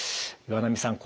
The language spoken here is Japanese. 岩波さん